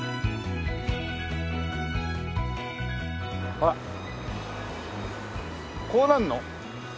ほらこうなるの？